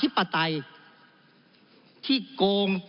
จึงฝากกลับเรียนเมื่อเรามีการแก้รัฐพาหารกันอีก